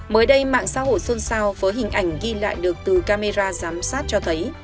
mới đây mạng xã hội xôn xao với hình ảnh ghi lại được từ camera giám sát cho thấy